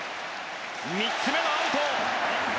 ３つ目のアウト。